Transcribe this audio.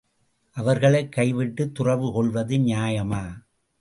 அவர்களைக் கைவிட்டுத் துறவு கொள்வது நியாயமா!